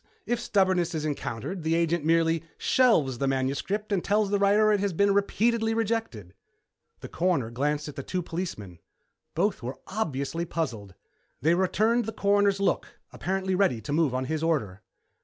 If stubbornness is encountered, the agent merely shelves the manuscript and tells the writer it has been repeatedly rejected." The Coroner glanced at the two policemen. Both were obviously puzzled. They returned the Coroner's look, apparently ready to move on his order.